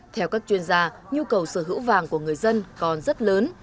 theo các chuyên gia nhu cầu sở hữu vàng của người dân còn rất lớn